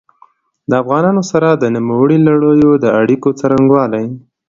د افغانانو سره د نوموړي لړیو د اړیکو څرنګوالي.